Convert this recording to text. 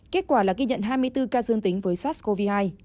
kết quả là ghi nhận hai mươi bốn ca dương tính với sars cov hai